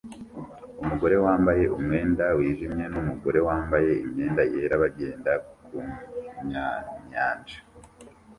Umugore wambaye umwenda wijimye numugore wambaye imyenda yera bagenda kumyanyanja